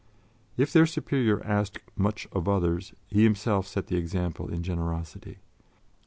If their Superior asked much of others, he himself set the example in generosity.